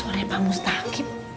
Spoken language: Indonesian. suaranya pak mustaqim